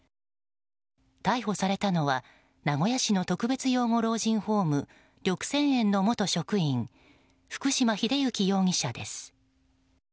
逮捕されたのは名古屋市の特別養護老人ホーム緑生苑の元職員福島栄行容疑者です。